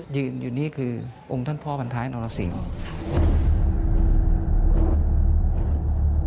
ยืนอยู่นี่คือองค์ท่านพ่อพันท้ายนรสิงห์